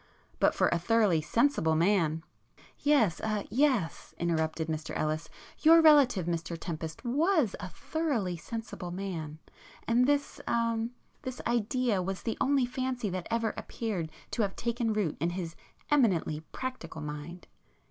But for a thoroughly sensible man...." [p 50]"Yes—er, yes;"—interrupted Mr Ellis—"Your relative, Mr Tempest, was a thoroughly sensible man, and this—er—this idea was the only fancy that ever appeared to have taken root in his eminently practical mind.